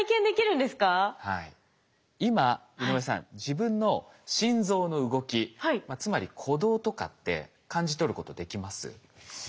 自分の心臓の動きつまり鼓動とかって感じ取ることできます？